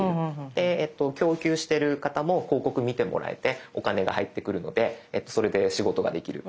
で供給してる方も広告見てもらえてお金が入ってくるのでそれで仕事ができる。